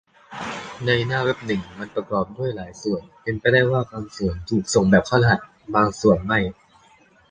ในหน้าเว็บหน้านึง มันประกอบด้วยหลายส่วน เป็นไปได้ว่า บางส่วนถูกส่งแบบเข้ารหัส บางสวนไม่